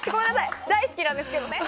大好きなんですけどね。